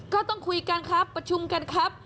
ก็ต้องคุยกันครับประชุมกันครับ